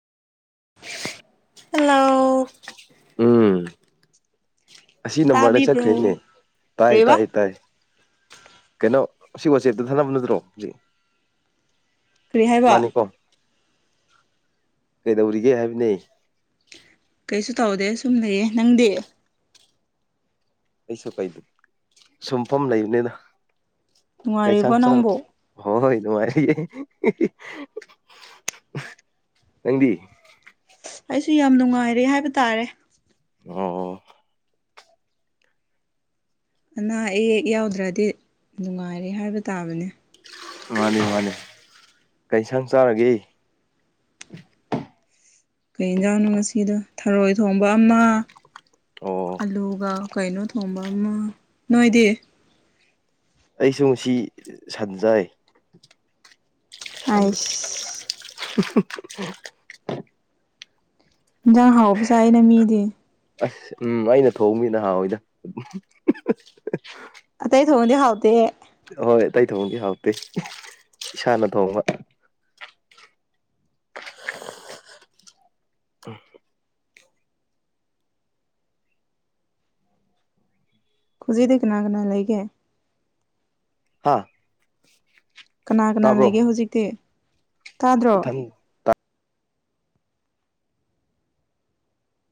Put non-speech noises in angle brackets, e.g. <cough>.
hello ꯎꯝ ꯑꯁꯤ ꯅꯝꯕꯔꯗ ꯆꯠꯈ꯭ꯔꯦꯅꯦ ꯇꯥꯕꯤꯕ꯭ꯔꯣ ꯇꯥꯏ ꯀꯔꯤꯕ ꯇꯥꯏ ꯇꯥꯏ ꯀꯩꯅꯣ ꯁꯤ ꯋꯥꯆꯦꯇ ꯊꯥꯅꯕ ꯅꯠꯇ꯭ꯔꯣꯖꯤ ꯀꯔꯤ ꯍꯥꯏꯕ ꯃꯥꯅꯤꯀꯣ ꯀꯩꯗꯧꯔꯤꯒꯦ ꯍꯥꯏꯕꯅꯦ ꯀꯩꯁꯨ ꯇꯧꯗꯦ ꯁꯨꯝ ꯂꯩꯌꯦ ꯅꯪꯗꯤ ꯑꯩꯁꯨ ꯀꯩꯗ ꯁꯨꯝꯐꯝ ꯂꯩꯕꯅꯤꯅ ꯅꯨꯡꯉꯥꯏꯔꯤꯕꯣ ꯀꯩꯁꯥꯡ ꯆꯥꯔ ꯅꯪꯕꯨ ꯍꯣꯏ ꯑꯗꯨꯉꯥꯏꯔꯤꯌꯦ ꯅꯪꯗꯤ ꯑꯩꯁꯨ ꯌꯥꯝ ꯅꯨꯡꯉꯥꯏꯔꯦ ꯍꯥꯏꯕ ꯇꯥꯔꯦ ꯑꯣ ꯑꯣ <unintelligible> ꯑꯅꯥ ꯑꯌꯦꯛ ꯌꯥꯎꯗ꯭ꯔꯗꯤ ꯅꯨꯡꯉꯥꯏꯔꯦ ꯍꯥꯏꯕ ꯇꯥꯕꯅꯦ ꯃꯥꯅꯤ ꯃꯥꯅꯤ ꯀꯩꯁꯥꯡ ꯆꯥꯔꯒꯦ ꯀꯩ ꯌꯦꯟꯖꯥꯡꯅꯣ ꯉꯁꯤꯗꯣ ꯊꯔꯣꯏ ꯊꯣꯡꯕ ꯑꯃ ꯑꯣ ꯑꯂꯨꯒ ꯀꯩꯅꯣ ꯊꯣꯡꯕ ꯑꯃ ꯅꯣꯏꯗꯤ ꯑꯩꯁꯨ ꯉꯁꯤ ꯁꯟꯖꯥꯏ ꯑꯥꯏꯁ <unintelligible> ꯌꯦꯟꯖꯥꯡ ꯍꯥꯎꯕꯁꯥ ꯑꯩꯅ ꯃꯤꯗꯤ ꯑꯁ ꯎꯝ ꯑꯩꯅ ꯊꯣꯡꯃꯤ ꯅꯍꯥꯟꯏꯗ ꯑꯇꯩ ꯊꯣꯡꯉꯗꯤ ꯍꯥꯎꯗꯦ ꯍꯣꯏ ꯑꯇꯩ ꯊꯣꯡꯗꯤ ꯍꯥꯎꯇꯦ ꯏꯁꯥꯅ ꯊꯣꯡꯕ ꯑ <unintelligible> ꯈꯨꯖꯤꯗ ꯀꯅꯥ ꯀꯅꯥ ꯂꯩꯒꯦ ꯍꯥ ꯀꯅꯥ ꯀꯅꯥ ꯇꯥꯕ꯭ꯔꯣ ꯂꯩꯒꯦ ꯍꯧꯖꯤꯛꯇꯤ ꯇꯥꯗ꯭ꯔꯣ ꯏꯊꯟ